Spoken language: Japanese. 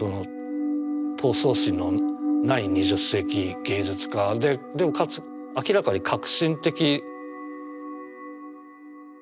闘争心のない２０世紀芸術家ででもかつ明らかに革新的。